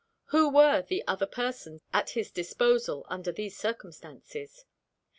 Who were the "other persons" at his disposal, under these circumstances?